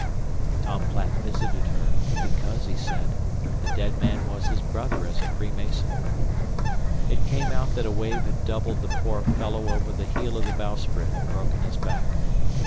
Tom Platt visited her, because, he said, the dead man was his brother as a Freemason. It came out that a wave had doubled the poor fellow over the heel of the bowsprit and broken his back.